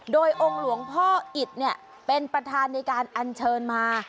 โดยองค์หลวงพ่ออิตเป็นประธานในการอัญเชิญมา